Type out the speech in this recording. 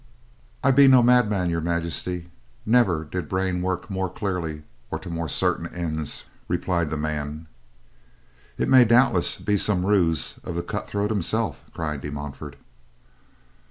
"I be no madman, Your Majesty. Never did brain work more clearly or to more certain ends," replied the man. "It may doubtless be some ruse of the cut throat himself," cried De Montfort.